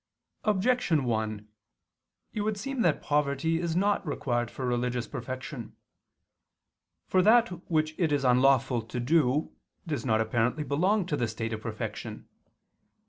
Objection 1: It would seem that poverty is not required for religious perfection. For that which it is unlawful to do does not apparently belong to the state of perfection.